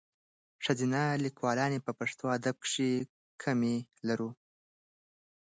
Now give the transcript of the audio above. ښځینه لیکوالاني په پښتو ادب کښي کمي لرو.